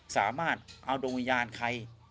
สามารถเอาดวงวิญญาณใคร